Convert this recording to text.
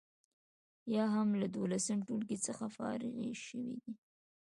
یا هم له دولسم ټولګي څخه فارغې شوي دي.